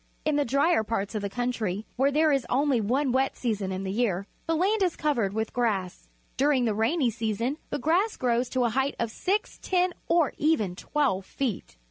In the drier parts of the country, where there is only one wet season in the year, the land is covered with grass. During the rainy season the grass grows to a HOW MAN OBTAINS FOOD FROM THE SOIL 23 height of six, ten, or even twelve feet.